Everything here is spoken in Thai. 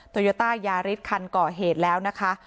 โยต้ายาริสคันก่อเหตุแล้วนะคะ